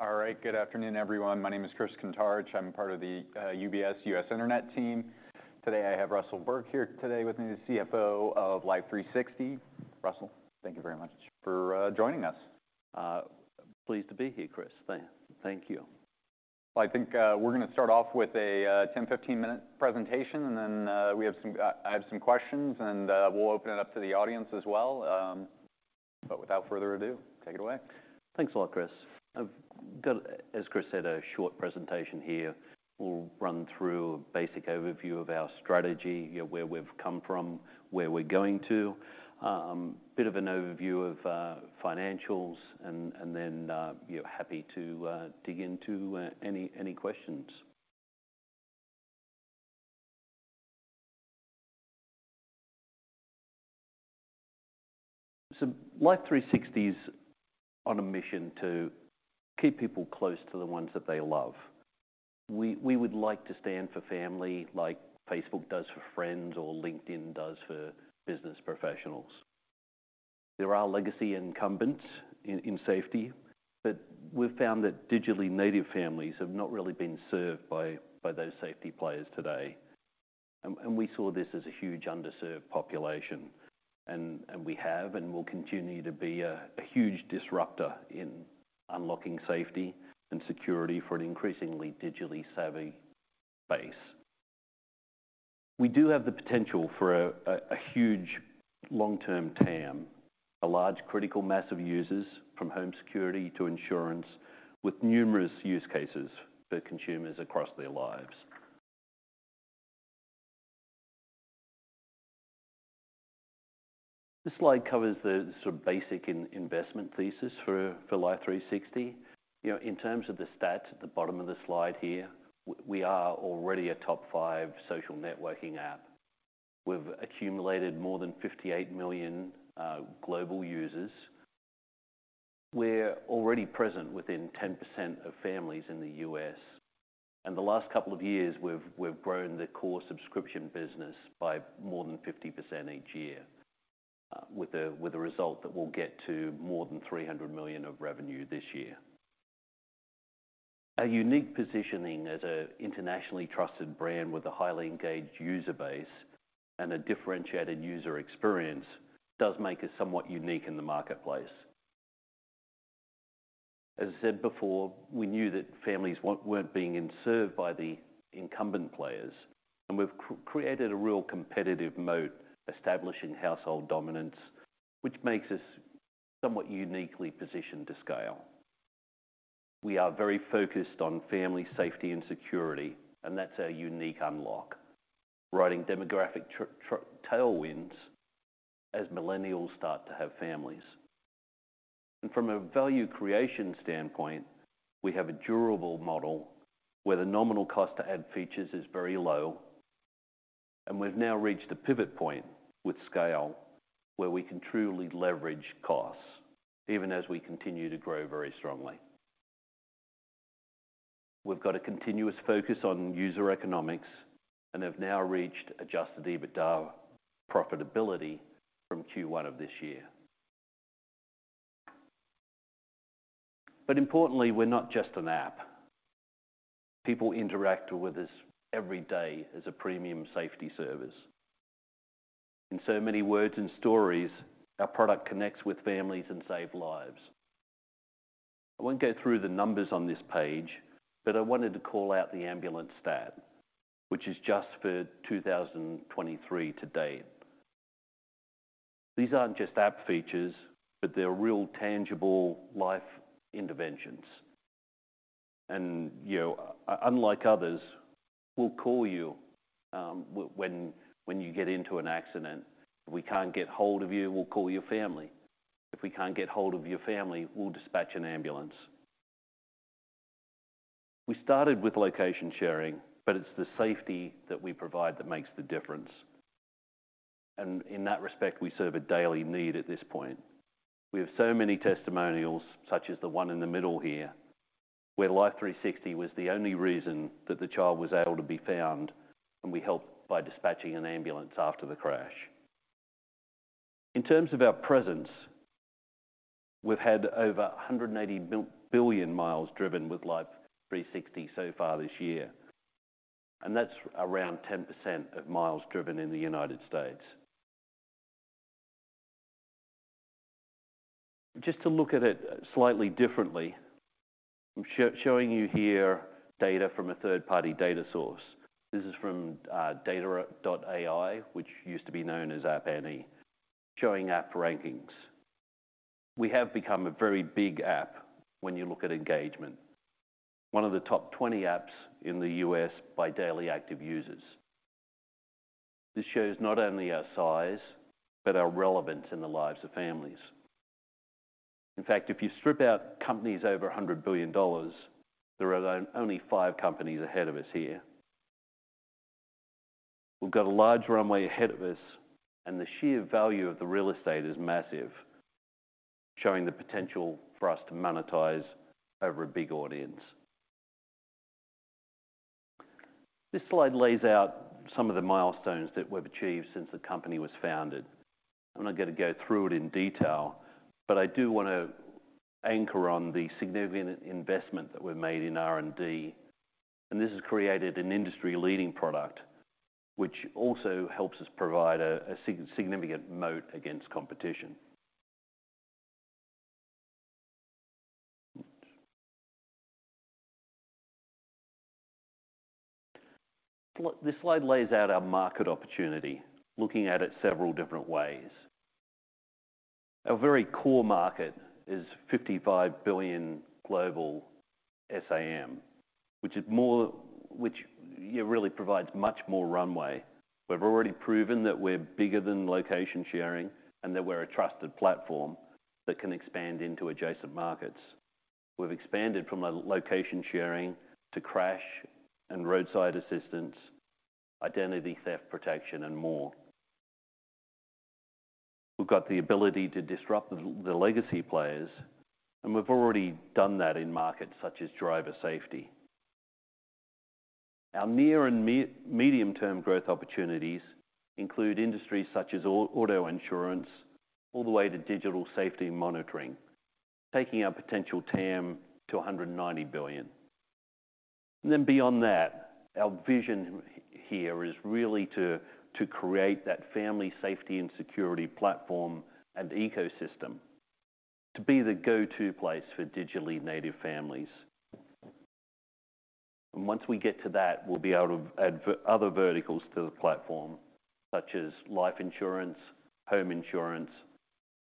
All right. Good afternoon, everyone. My name is Chris Kuntarich. I'm part of the UBS U.S. Internet team. Today, I have Russell Burke here today with me, the CFO of Life360. Russell, thank you very much for joining us. Pleased to be here, Chris. Thank you. Well, I think we're going to start off with a 10-15 minute presentation, and then I have some questions, and we'll open it up to the audience as well. But without further ado, take it away. Thanks a lot, Chris. I've got, as Chris said, a short presentation here. We'll run through a basic overview of our strategy, you know, where we've come from, where we're going to. A bit of an overview of financials and then we're happy to dig into any questions. So Life360 is on a mission to keep people close to the ones that they love. We would like to stand for family, like Facebook does for friends or LinkedIn does for business professionals. There are legacy incumbents in safety, but we've found that digitally native families have not really been served by those safety players today. And we saw this as a huge underserved population, and we have and will continue to be a huge disruptor in unlocking safety and security for an increasingly digitally savvy base. We do have the potential for a huge long-term TAM, a large critical mass of users, from home security to insurance, with numerous use cases for consumers across their lives. This slide covers the sort of basic investment thesis for Life360. You know, in terms of the stats at the bottom of the slide here, we are already a top five social networking app. We've accumulated more than 58 million global users. We're already present within 10% of families in the U.S. And the last couple of years, we've grown the core subscription business by more than 50% each year, with a result that we'll get to more than $300 million of revenue this year. Our unique positioning as an internationally trusted brand with a highly engaged user base and a differentiated user experience, does make us somewhat unique in the marketplace. As I said before, we knew that families weren't being served by the incumbent players, and we've created a real competitive moat, establishing household dominance, which makes us somewhat uniquely positioned to scale. We are very focused on family safety and security, and that's our unique unlock, riding demographic tailwinds as millennials start to have families. And from a value creation standpoint, we have a durable model where the nominal cost to add features is very low, and we've now reached a pivot point with scale, where we can truly leverage costs, even as we continue to grow very strongly. We've got a continuous focus on user economics and have now reached Adjusted EBITDA profitability from Q1 of this year. But importantly, we're not just an app. People interact with us every day as a premium safety service. In so many words and stories, our product connects with families and save lives. I won't go through the numbers on this page, but I wanted to call out the ambulance stat, which is just for 2023 to date. These aren't just app features, but they're real tangible life interventions. And, you know, unlike others, we'll call you when you get into an accident. If we can't get hold of you, we'll call your family. If we can't get hold of your family, we'll dispatch an ambulance. We started with location sharing, but it's the safety that we provide that makes the difference. And in that respect, we serve a daily need at this point. We have so many testimonials, such as the one in the middle here, where Life360 was the only reason that the child was able to be found, and we helped by dispatching an ambulance after the crash. In terms of our presence, we've had over 180 billion miles driven with Life360 so far this year, and that's around 10% of miles driven in the United States. Just to look at it slightly differently, I'm showing you here data from a third-party data source. This is from data.ai, which used to be known as App Annie, showing app rankings. We have become a very big app when you look at engagement. One of the top 20 apps in the U.S. by daily active users. This shows not only our size, but our relevance in the lives of families. In fact, if you strip out companies over $100 billion, there are only five companies ahead of us here. We've got a large runway ahead of us, and the sheer value of the real estate is massive, showing the potential for us to monetize over a big audience. This slide lays out some of the milestones that we've achieved since the company was founded. I'm not going to go through it in detail, but I do want to anchor on the significant investment that we've made in R&D. And this has created an industry-leading product, which also helps us provide a significant moat against competition. This slide lays out our market opportunity, looking at it several different ways. Our very core market is $55 billion global SAM, which, yeah, really provides much more runway. We've already proven that we're bigger than location sharing, and that we're a trusted platform that can expand into adjacent markets. We've expanded from a location sharing to crash and roadside assistance, identity theft protection, and more. We've got the ability to disrupt the legacy players, and we've already done that in markets such as driver safety. Our near- and medium-term growth opportunities include industries such as auto insurance, all the way to digital safety and monitoring, taking our potential TAM to $190 billion. And then beyond that, our vision here is really to create that family safety and security platform and ecosystem to be the go-to place for digitally native families. And once we get to that, we'll be able to add other verticals to the platform, such as life insurance, home insurance,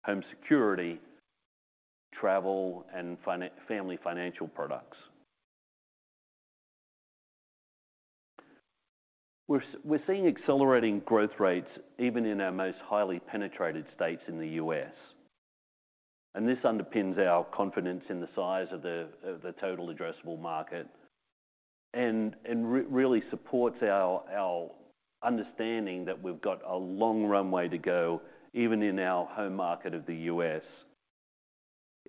home security, travel, and family financial products. We're seeing accelerating growth rates even in our most highly penetrated states in the U.S., and this underpins our confidence in the size of the total addressable market, and really supports our understanding that we've got a long runway to go, even in our home market of the U.S.,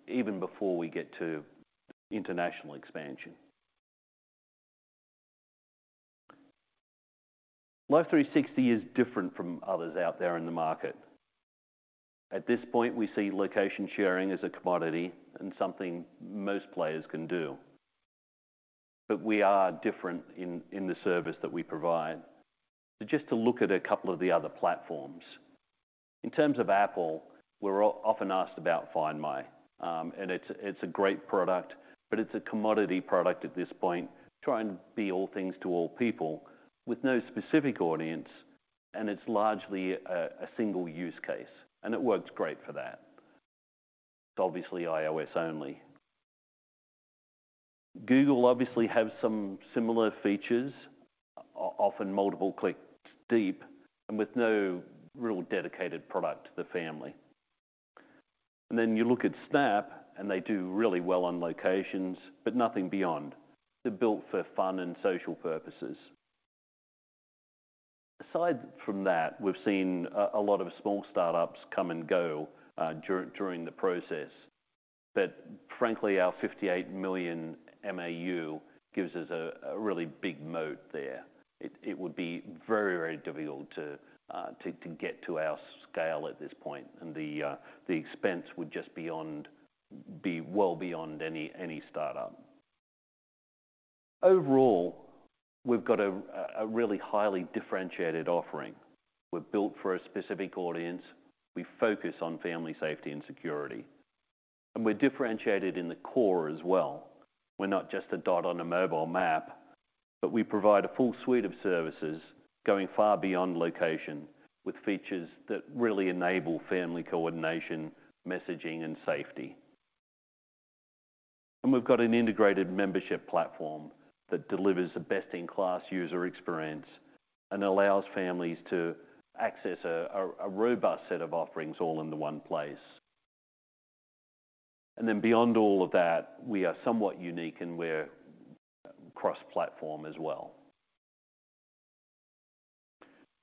even before we get to international expansion. Life360 is different from others out there in the market. At this point, we see location sharing as a commodity and something most players can do. But we are different in the service that we provide. So just to look at a couple of the other platforms. In terms of Apple, we're often asked about Find My, and it's a great product, but it's a commodity product at this point, trying to be all things to all people with no specific audience, and it's largely a single use case, and it works great for that. It's obviously iOS only. Google obviously have some similar features, often multiple clicks deep, and with no real dedicated product to the family. And then you look at Snap, and they do really well on locations, but nothing beyond. They're built for fun and social purposes. Aside from that, we've seen a lot of small startups come and go during the process, but frankly, our 58 million MAU gives us a really big moat there. It would be very, very difficult to get to our scale at this point, and the expense would be well beyond any startup. Overall, we've got a really highly differentiated offering. We're built for a specific audience, we focus on family safety and security, and we're differentiated in the core as well. We're not just a dot on a mobile map, but we provide a full suite of services going far beyond location, with features that really enable family coordination, messaging, and safety. And we've got an integrated membership platform that delivers a best-in-class user experience and allows families to access a robust set of offerings all into one place. And then beyond all of that, we are somewhat unique and we're cross-platform as well.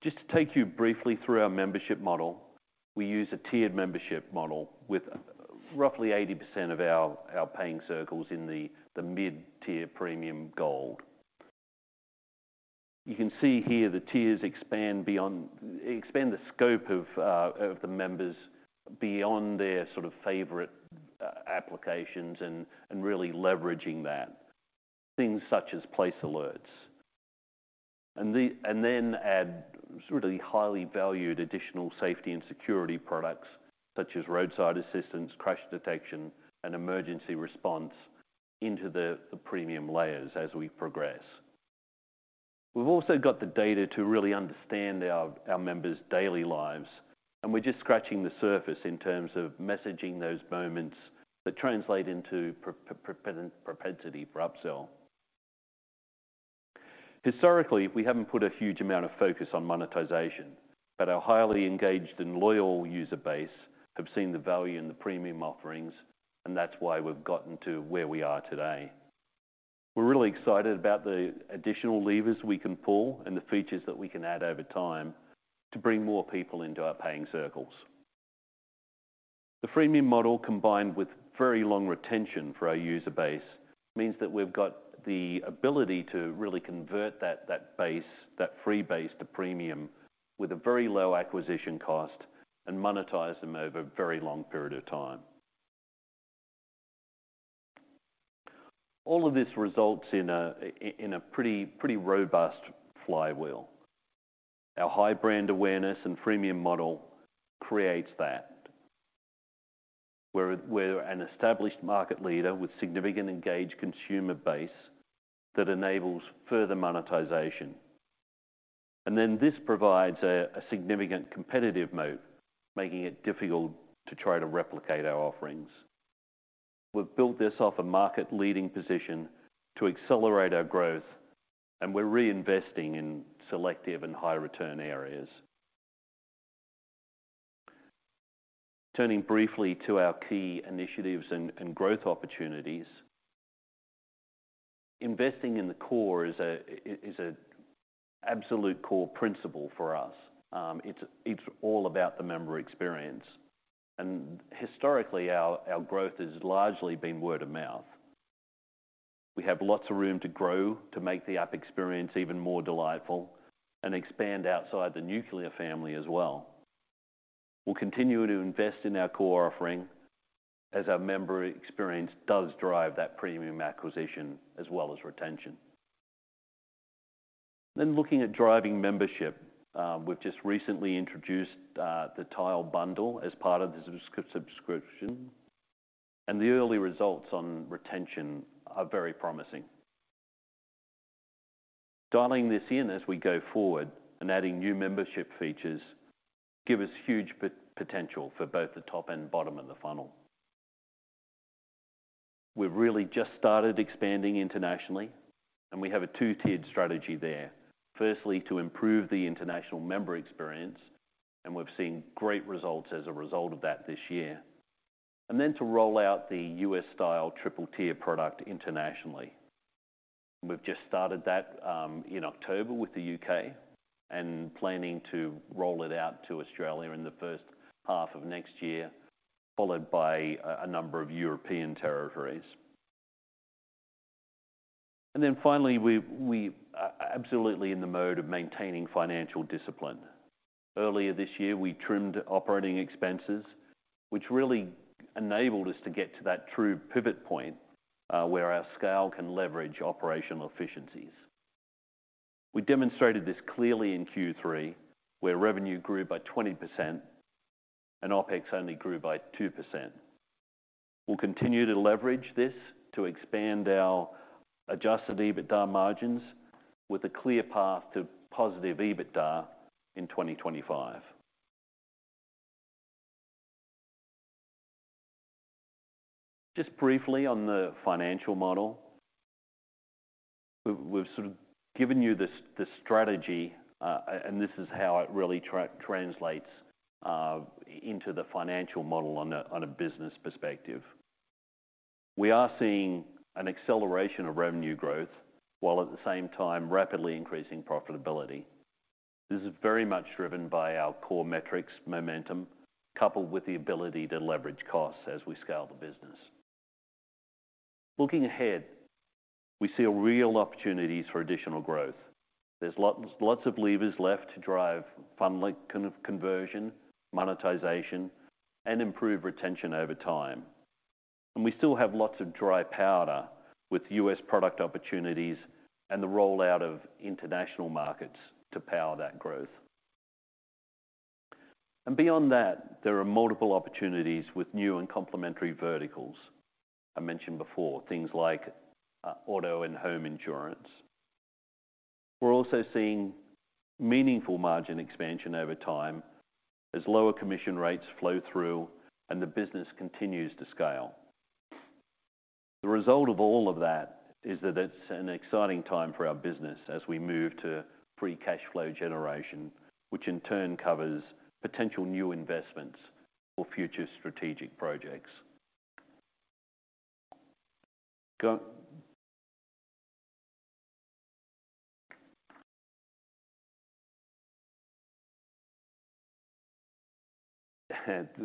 Just to take you briefly through our membership model, we use a tiered membership model with roughly 80% of our Paying Circles in the mid-tier Premium Gold. You can see here the tiers expand the scope of the members beyond their sort of favorite applications and really leveraging that. Things such as Place Alerts. Then add sort of the highly valued additional safety and security products, such as roadside assistance, Crash Detection, and emergency response into the premium layers as we progress. We've also got the data to really understand our members' daily lives, and we're just scratching the surface in terms of messaging those moments that translate into propensity for upsell. Historically, we haven't put a huge amount of focus on monetization, but our highly engaged and loyal user base have seen the value in the premium offerings, and that's why we've gotten to where we are today. We're really excited about the additional levers we can pull and the features that we can add over time to bring more people into our Paying Circles. The freemium model, combined with very long retention for our user base, means that we've got the ability to really convert that base, that free base, to premium with a very low acquisition cost and monetize them over a very long period of time. All of this results in a pretty robust flywheel. Our high brand awareness and freemium model creates that, where an established market leader with significant engaged consumer base that enables further monetization. And then this provides a significant competitive moat, making it difficult to try to replicate our offerings. We've built this off a market-leading position to accelerate our growth, and we're reinvesting in selective and high return areas. Turning briefly to our key initiatives and growth opportunities. Investing in the core is an absolute core principle for us. It's all about the member experience, and historically, our growth has largely been word of mouth. We have lots of room to grow to make the app experience even more delightful and expand outside the nuclear family as well. We'll continue to invest in our core offering as our member experience does drive that premium acquisition as well as retention. Then looking at driving membership, we've just recently introduced the Tile bundle as part of the subscription, and the early results on retention are very promising. Dialing this in as we go forward and adding new membership features give us huge potential for both the top and bottom of the funnel. We've really just started expanding internationally, and we have a two-tiered strategy there. Firstly, to improve the international member experience, and we've seen great results as a result of that this year. And then to roll out the U.S. style triple-tier product internationally. We've just started that in October with the U.K. and planning to roll it out to Australia in the first half of next year, followed by a number of European territories. And then finally, we are absolutely in the mode of maintaining financial discipline. Earlier this year, we trimmed operating expenses, which really enabled us to get to that true pivot point, where our scale can leverage operational efficiencies. We demonstrated this clearly in Q3, where revenue grew by 20% and OpEx only grew by 2%. We'll continue to leverage this to expand our adjusted EBITDA margins with a clear path to positive EBITDA in 2025. Just briefly on the financial model. We've sort of given you the strategy, and this is how it really translates into the financial model on a business perspective. We are seeing an acceleration of revenue growth, while at the same time rapidly increasing profitability. This is very much driven by our core metrics momentum, coupled with the ability to leverage costs as we scale the business. Looking ahead, we see a real opportunities for additional growth. There's lots, lots of levers left to drive funnel conversion, monetization, and improve retention over time. We still have lots of dry powder with U.S. product opportunities and the rollout of international markets to power that growth. Beyond that, there are multiple opportunities with new and complementary verticals. I mentioned before, things like auto and home insurance. We're also seeing meaningful margin expansion over time as lower commission rates flow through and the business continues to scale. The result of all of that is that it's an exciting time for our business as we move to free cash flow generation, which in turn covers potential new investments or future strategic projects.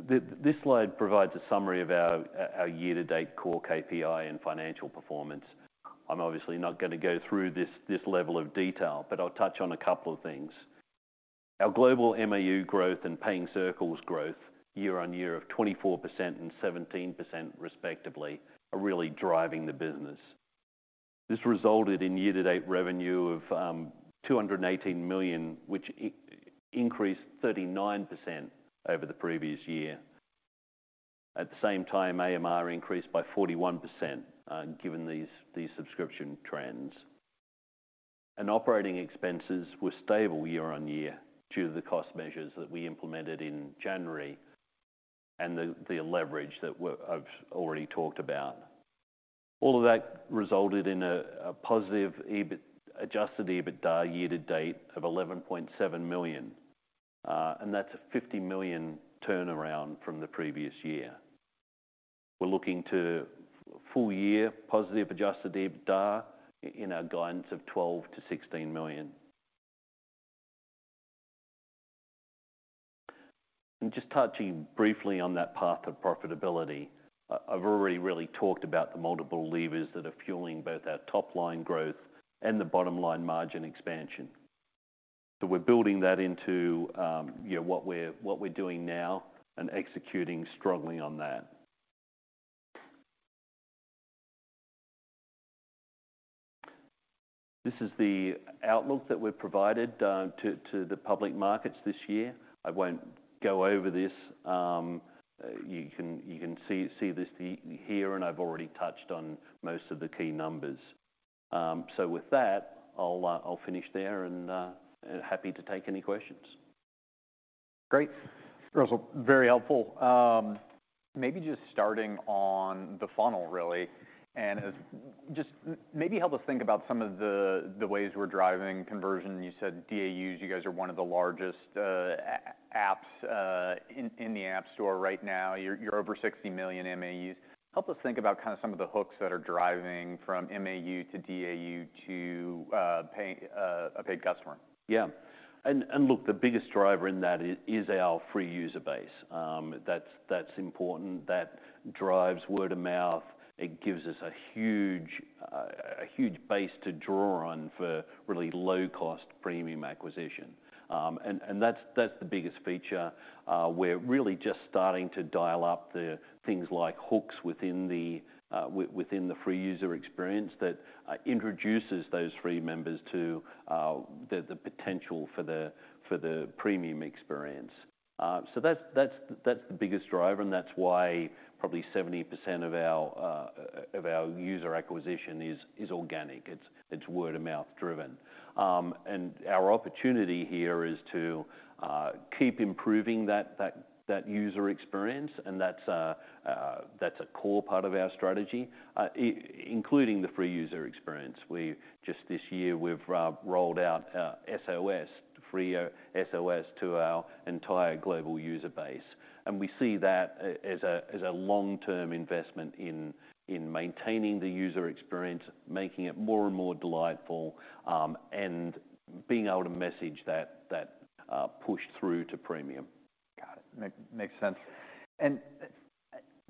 This slide provides a summary of our year-to-date core KPI and financial performance. I'm obviously not going to go through this level of detail, but I'll touch on a couple of things. Our global MAU growth and paying circles growth year-on-year of 24% and 17% respectively are really driving the business. This resulted in year-to-date revenue of $218 million, which increased 39% over the previous year. At the same time, AMR increased by 41%, given these subscription trends. Operating expenses were stable year-on-year, due to the cost measures that we implemented in January and the leverage I've already talked about. All of that resulted in a positive EBIT, adjusted EBITDA year-to-date of $11.7 million, and that's a $50 million turnaround from the previous year. We're looking to full-year positive adjusted EBITDA in our guidance of $12 million to $16 million. And just touching briefly on that path to profitability, I've already really talked about the multiple levers that are fueling both our top-line growth and the bottom-line margin expansion. So we're building that into, you know, what we're doing now and executing strongly on that. This is the outlook that we've provided to the public markets this year. I won't go over this. You can see this here, and I've already touched on most of the key numbers. So with that, I'll finish there, and happy to take any questions. Great. Russell, very helpful. Maybe just starting on the funnel really, and just maybe help us think about some of the ways we're driving conversion. You said DAUs, you guys are one of the largest apps in the App Store right now. You're over 60 million MAUs. Help us think about some of the hooks that are driving from MAU to DAU to pay a paid customer. Yeah. Look, the biggest driver in that is our free user base. That's important. That drives word of mouth. It gives us a huge base to draw on for really low-cost premium acquisition. And that's the biggest feature. We're really just starting to dial up the things like hooks within the free user experience that introduces those free members to the potential for the premium experience. So that's the biggest driver, and that's why probably 70% of our user acquisition is organic. It's word-of-mouth driven. And our opportunity here is to keep improving that user experience, and that's a core part of our strategy, including the free user experience. We've just this year, we've rolled out Free SOS to our entire global user base, and we see that as a long-term investment in maintaining the user experience, making it more and more delightful, and being able to message that push through to premium. Got it. Makes sense. And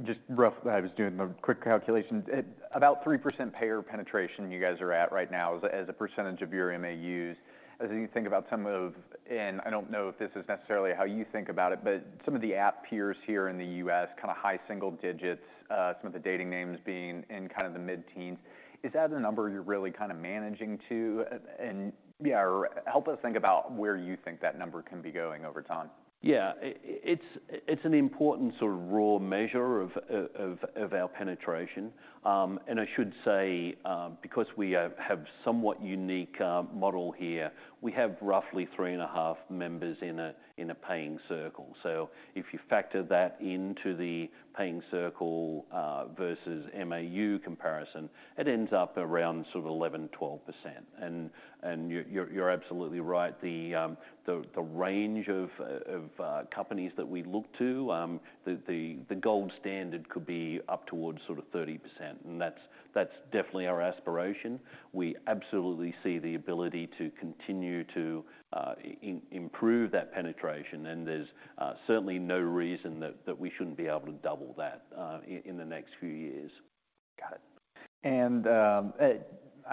just rough, I was doing the quick calculation, at about 3% payer penetration you guys are at right now, as a percentage of your MAUs. As you think about some of, and I don't know if this is necessarily how you think about it, but some of the app peers here in the U.S. high single digits, some of the dating names being in kind of the mid-teens. Is that a number you're really managing to? And yeah, or help us think about where you think that number can be going over time. Yeah. It's an important sort of raw measure of our penetration. And I should say, because we have somewhat unique model here, we have roughly 3.5 members in a paying circle. So if you factor that into the paying circle versus MAU comparison, it ends up around sort of 11%-12%. And you're absolutely right, the range of companies that we look to, the gold standard could be up towards sort of 30%, and that's definitely our aspiration. We absolutely see the ability to continue to improve that penetration, and there's certainly no reason that we shouldn't be able to double that in the next few years. Got it. And,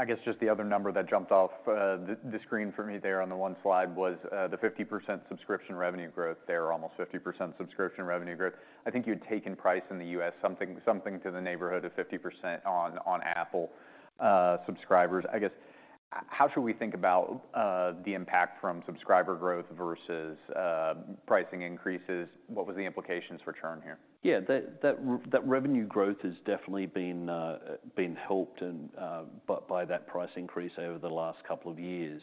just the other number that jumped off the screen for me there on the one slide was the 50% subscription revenue growth there, almost 50% subscription revenue growth. I think you'd taken price in the U.S., something, something to the neighborhood of 50% on Apple subscribers. How should we think about the impact from subscriber growth versus pricing increases? What were the implications for churn here? Yeah, that revenue growth has definitely been helped by that price increase over the last couple of years.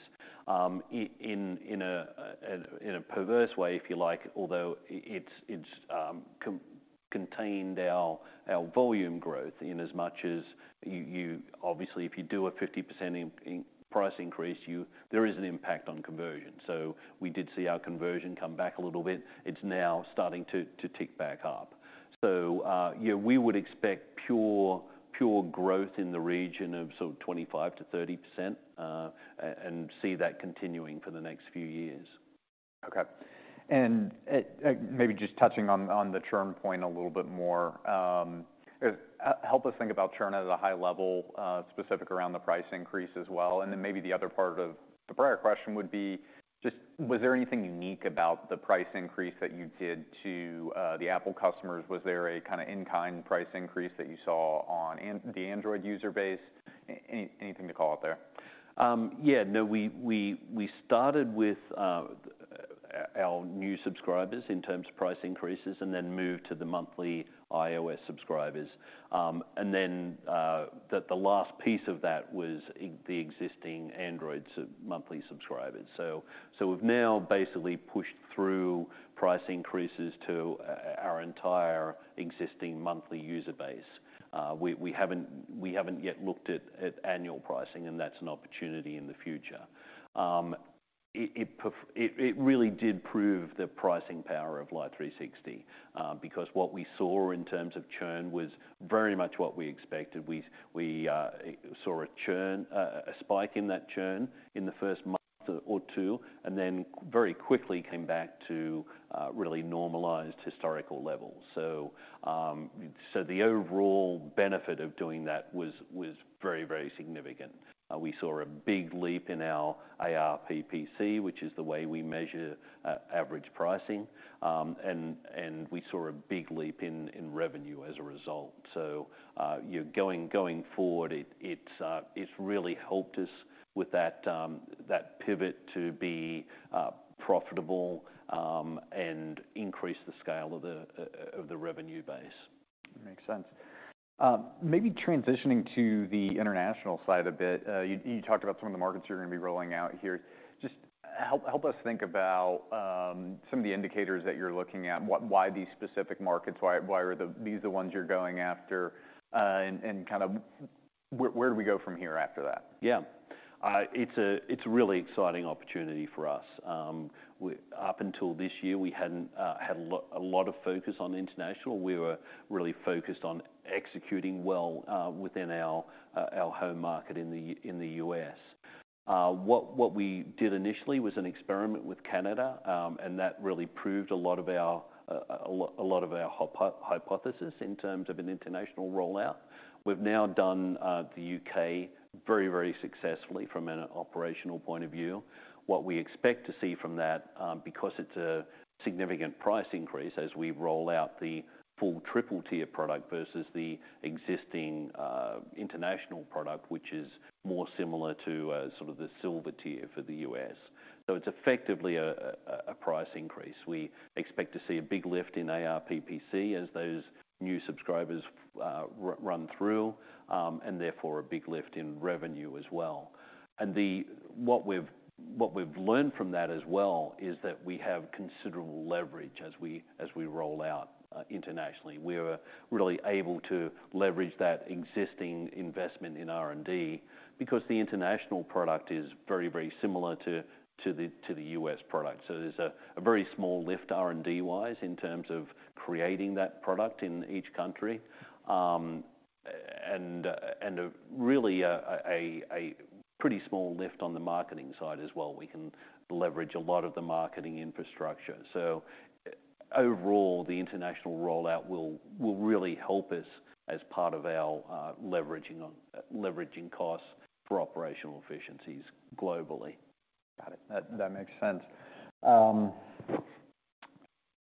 In a perverse way, if you like, although it's contained our volume growth in as much as you obviously, if you do a 50% price increase, there is an impact on conversion. So we did see our conversion come back a little bit. It's now starting to tick back up. So, yeah, we would expect pure growth in the region of sort of 25% to 30%, and see that continuing for the next few years. Okay. And maybe just touching on the churn point a little bit more, help us think about churn at a high level, specific around the price increase as well. And then maybe the other part of the prior question would be, just was there anything unique about the price increase that you did to the Apple customers? Was there a in-kind price increase that you saw on the Android user base? Anything to call out there? Yeah, no, we started with our new subscribers in terms of price increases and then moved to the monthly iOS subscribers. And then the last piece of that was the existing Android monthly subscribers. So we've now basically pushed through price increases to our entire existing monthly user base. We haven't yet looked at annual pricing, and that's an opportunity in the future. It really did prove the pricing power of Life360, because what we saw in terms of churn was very much what we expected. We saw a spike in that churn in the first month or two, and then very quickly came back to really normalized historical levels. So, the overall benefit of doing that was very, very significant. We saw a big leap in our ARPPC, which is the way we measure average pricing. And we saw a big leap in revenue as a result. So, you're going forward, it's really helped us with that pivot to be profitable and increase the scale of the revenue base. Makes sense. Maybe transitioning to the international side a bit. You talked about some of the markets you're going to be rolling out here. Just help us think about some of the indicators that you're looking at and why these specific markets? Why are these the ones you're going after? And kind of where do we go from here after that? Yeah. It's a really exciting opportunity for us. Up until this year, we hadn't had a lot of focus on international. We were really focused on executing well within our home market in the U.S. What we did initially was an experiment with Canada, and that really proved a lot of our hypothesis in terms of an international rollout. We've now done the U.K. very successfully from an operational point of view. What we expect to see from that, because it's a significant price increase as we roll out the full triple-tier product versus the existing international product, which is more similar to sort of the Silver tier for the U.S. So it's effectively a price increase. We expect to see a big lift in ARPPC as those new subscribers run through, and therefore, a big lift in revenue as well. What we've learned from that as well is that we have considerable leverage as we roll out internationally. We're really able to leverage that existing investment in R&D because the international product is very, very similar to the U.S. product. So there's a very small lift, R&D wise, in terms of creating that product in each country. And really a pretty small lift on the marketing side as well. We can leverage a lot of the marketing infrastructure. So overall, the international rollout will really help us as part of our leveraging costs for operational efficiencies globally. Got it. That makes sense.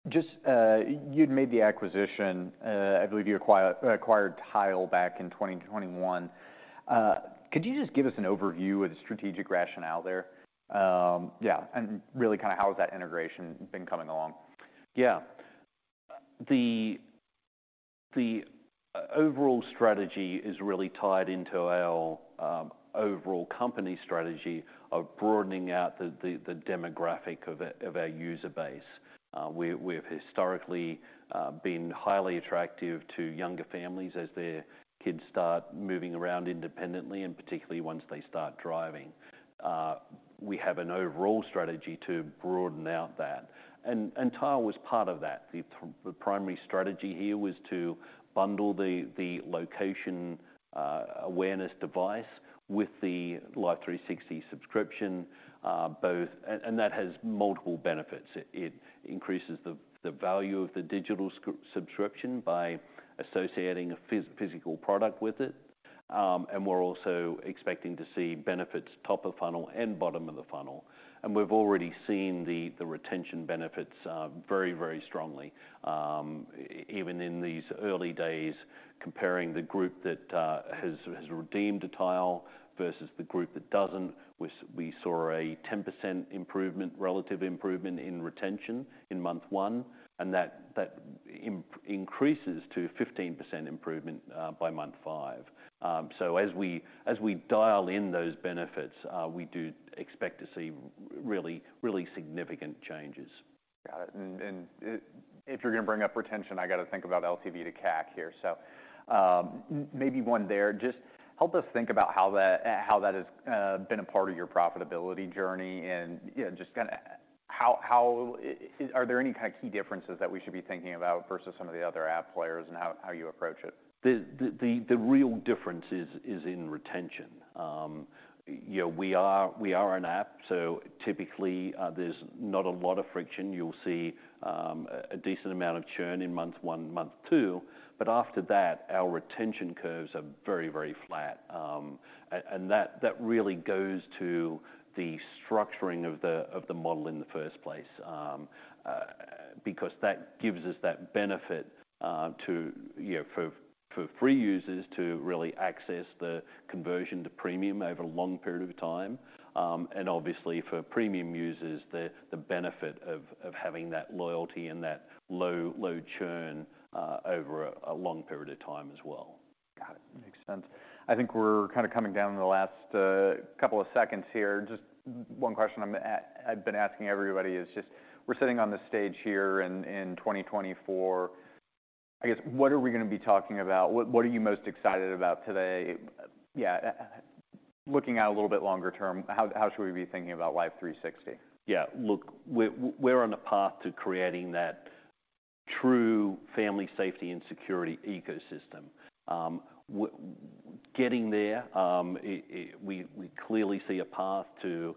Just, you'd made the acquisition, I believe you acquired Tile back in 2021. Could you just give us an overview of the strategic rationale there? Yeah, and really kind of how has that integration been coming along? Yeah. The overall strategy is really tied into our overall company strategy of broadening out the demographic of our user base. We've historically been highly attractive to younger families as their kids start moving around independently, and particularly once they start driving. We have an overall strategy to broaden out that, and Tile was part of that. The primary strategy here was to bundle the location awareness device with the Life360 subscription, both. And that has multiple benefits. It increases the value of the digital subscription by associating a physical product with it. And we're also expecting to see benefits, top of funnel and bottom of the funnel. And we've already seen the retention benefits very strongly. Even in these early days, comparing the group that has redeemed a Tile versus the group that doesn't, we saw a 10% improvement, relative improvement in retention in month one, and that increases to 15% improvement by month five. So as we dial in those benefits, we do expect to see really, really significant changes. Got it. And if you're going to bring up retention, I got to think about LTV to CAC here. So, maybe one there. Just help us think about how that has been a part of your profitability journey and, yeah, just are there any kind of key differences that we should be thinking about versus some of the other app players and how you approach it? The real difference is in retention. You know, we are an app, so typically, there's not a lot of friction. You'll see a decent amount of churn in month one, month two, but after that, our retention curves are very, very flat. And that really goes to the structuring of the model in the first place. Because that gives us that benefit to, you know, for free users to really access the conversion to premium over a long period of time. And obviously, for premium users, the benefit of having that loyalty and that low, low churn over a long period of time as well. Got it. Makes sense. I think we're coming down to the last couple of seconds here. Just one question I've been asking everybody is just, we're sitting on the stage here in 2024. What are we going to be talking about? What are you most excited about today? Yeah, looking out a little bit longer term, how should we be thinking about Life360? Yeah, look, we're on a path to creating that true family safety and security ecosystem. We're getting there. We clearly see a path to,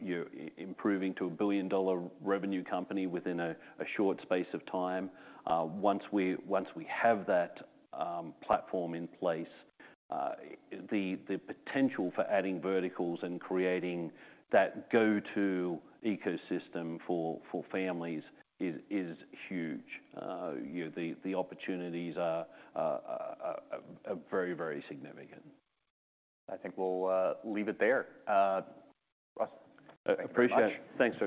you know, improving to a $1 billion revenue company within a short space of time. Once we have that platform in place, the potential for adding verticals and creating that go-to ecosystem for families is huge. You know, the opportunities are very, very significant. I think we'll leave it there. Russ, thank you very much. Appreciate it. Thanks very much.